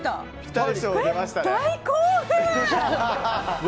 大興奮！